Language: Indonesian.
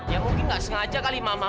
ya mungkin nggak sengaja kali mama